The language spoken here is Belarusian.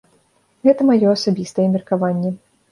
Гэта маё асабістае меркаванне.